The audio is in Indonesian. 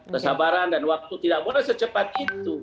kesabaran dan waktu tidak boleh secepat itu